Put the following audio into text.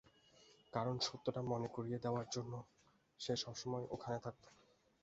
কারন সত্যটা মনে করিয়ে দেয়ার জন্য সে সবসময় ওখানে থাকত।